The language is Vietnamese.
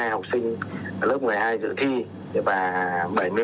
bốn trăm bảy mươi hai học sinh lớp một mươi hai dự thi